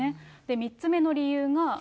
３つ目の理由が。